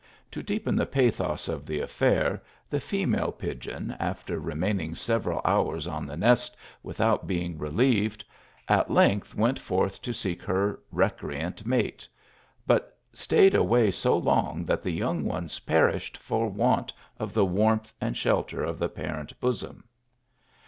To deepen the pathos of the affair, the female pigeon, after remaining several hours on THE TRUANT. 57 the nest without being relieved, at length went forth to seek her recreant mate ; but stayed away so long 1 that the young ones perished for want of the warmth and shelter of the parent bosom.